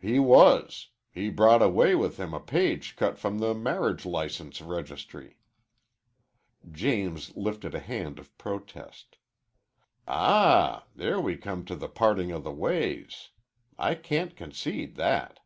"He was. He brought away with him a page cut from the marriage license registry." James lifted a hand of protest. "Ah! There we come to the parting of the ways. I can't concede that."